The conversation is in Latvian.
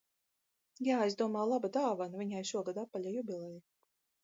Jāizdomā laba dāvana, viņai šogad apaļa jubileja